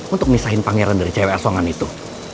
untuk misahin pangeran dari cewek asongan itu